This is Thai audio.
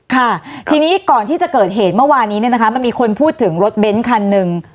ค่ะทีนี้ก่อนที่จะเกิดเหตุเมื่อวานนี้เนี่ยนะคะมันมีคนพูดถึงรถเบ้นคันหนึ่ง